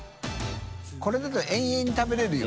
これだと永遠に食べれるよ。